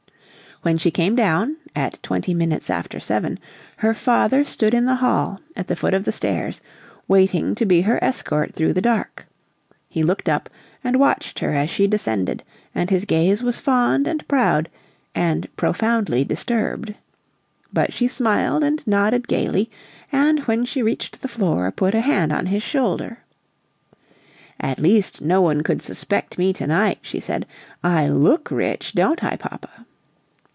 When she came down, at twenty minutes after seven, her father stood in the hall, at the foot of the stairs, waiting to be her escort through the dark. He looked up and watched her as she descended, and his gaze was fond and proud and profoundly disturbed. But she smiled and nodded gaily, and, when she reached the floor, put a hand on his shoulder. "At least no one could suspect me to night," she said. "I LOOK rich, don't I, papa?"